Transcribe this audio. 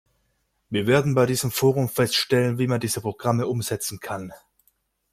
Wir werden bei diesem Forum feststellen, wie man diese Programme umsetzen kann.